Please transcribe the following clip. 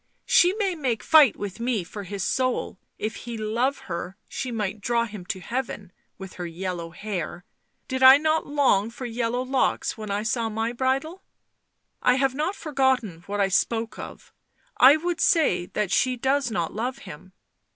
" She may make fight with me for his soul — if he love her she might draw him to heaven — with her yellow hair ! Did I not long for yellow locks when I saw my bridal ?... I have forgotten what I spoke of — I would say that she does not love him.